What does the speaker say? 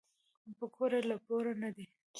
پکورې له بوره نه دي